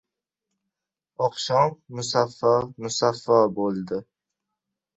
Oqshom musaffo-musaffo bo‘ldi.